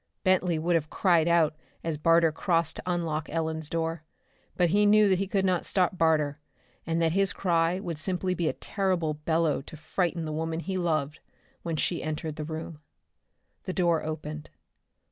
Bentley would have cried out as Barter crossed to unlock Ellen's door, but he knew that he could not stop Barter, and that his cry would simply be a terrible bellow to frighten the woman he loved when she entered the room. The door opened.